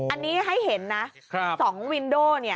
อันนี้ให้เห็นนะ๒วินโด่